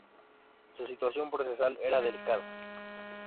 Su situación procesal era delicada.